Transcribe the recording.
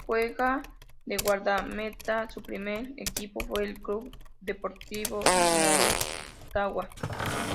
Juega de guardameta, su primer equipo fue el Club Deportivo Motagua.